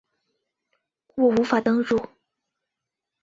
我无法登入